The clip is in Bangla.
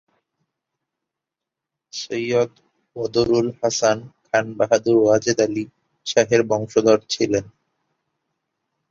সৈয়দ বদর-উল হাসান খান বাহাদুর ওয়াজেদ আলি শাহের বংশধর ছিলেন।